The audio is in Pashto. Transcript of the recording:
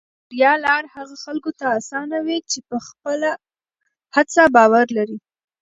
د بریا لار هغه خلکو ته اسانه وي چې په خپله هڅه باور لري.